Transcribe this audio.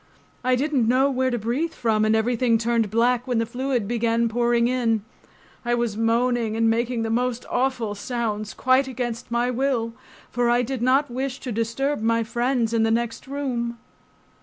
I didn't know where to breathe from and everything turned black when the fluid began pouring in. I was moaning and making the most awful sounds quite against my will, for I did not wish to disturb my friends in the next room.